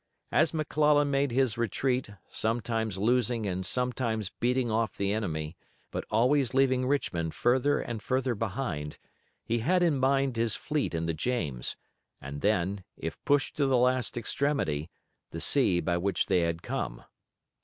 As McClellan made his retreat, sometimes losing and sometimes beating off the enemy, but always leaving Richmond further and further behind, he had in mind his fleet in the James, and then, if pushed to the last extremity, the sea by which they had come.